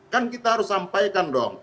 kan kita harus sampaikan dong